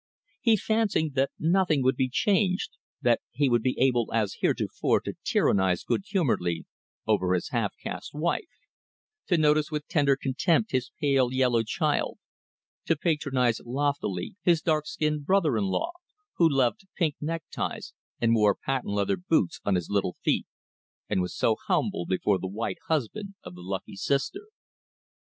He fancied that nothing would be changed, that he would be able as heretofore to tyrannize good humouredly over his half caste wife, to notice with tender contempt his pale yellow child, to patronize loftily his dark skinned brother in law, who loved pink neckties and wore patent leather boots on his little feet, and was so humble before the white husband of the lucky sister.